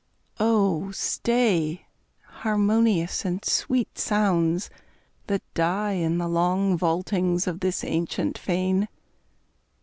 Oh, stay, harmonious and sweet sounds, that die In the long vaultings of this ancient fane!